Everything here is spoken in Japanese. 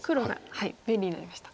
便利になりました。